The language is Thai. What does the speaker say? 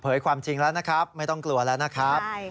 ความจริงแล้วนะครับไม่ต้องกลัวแล้วนะครับ